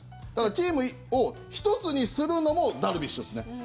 チームを一つにするのもダルビッシュですね。